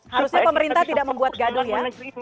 harusnya pemerintah tidak membuat gado ya